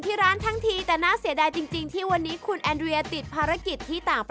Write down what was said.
ทางนี้นะครับผม